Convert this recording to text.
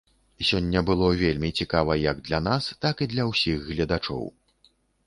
Сёння было вельмі цікава як для нас, так і для ўсіх гледачоў.